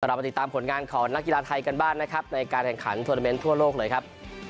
เรามาติดตามผลงานของนักกีฬาไทยกันบ้างนะครับในการแข่งขันทวนาเมนต์ทั่วโลกเลยครับ